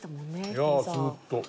いやずっと。